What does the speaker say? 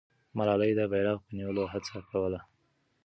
ملالۍ د بیرغ په نیولو هڅه کوله.